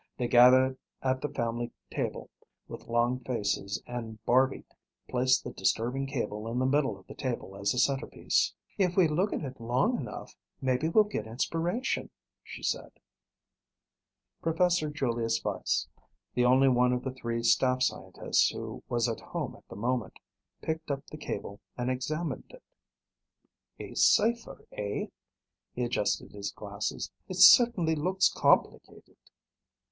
They gathered at the family table with long faces and Barby placed the disturbing cable in the middle of the table as a centerpiece. "If we look at it long enough, maybe we'll get inspiration," she said. Professor Julius Weiss, the only one of the three staff scientists who was at home at the moment, picked up the cable and examined it. "A cipher, eh?" He adjusted his glasses. "It certainly looks complicated."